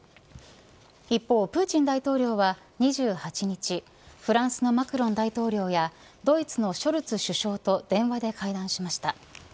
一方プーチン大統領は２８日フランスのマクロン大統領やドイツのショルツ首相と電話で会談しました。